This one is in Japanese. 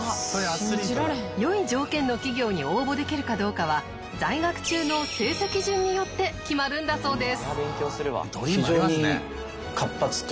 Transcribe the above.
よい条件の企業に応募できるかどうかは在学中の成績順によって決まるんだそうです。